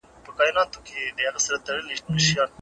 ولي لېواله انسان د لایق کس په پرتله لاره اسانه کوي؟